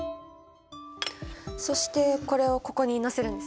そしてこれをここに載せるんですよね？